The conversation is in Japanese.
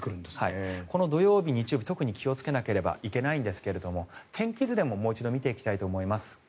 この土曜日、日曜日特に気をつけなければいけないんですが天気図でももう一度見ていきたいと思います。